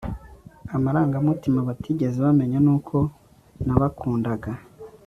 amarangamutima batigeze bamenya nuko nabakundaga